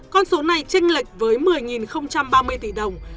con số này tranh lệch với một mươi ba mươi tỷ đồng